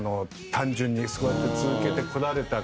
単純にそうやって続けてこられた事。